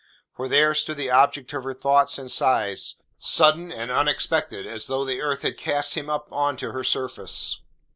For there stood the object of her thoughts and sighs, sudden and unexpected, as though the earth had cast him up on to her surface.